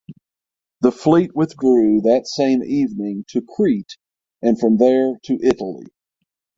The fleet withdrew that same evening to Crete and from there to Italy.